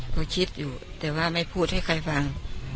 ก็คิดอยู่แต่ว่าไม่พูดให้ใครฟัง